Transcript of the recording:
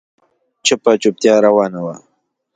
چوپه چوپتيا روانه وه.